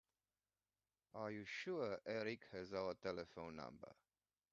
Are you sure Erik has our telephone number?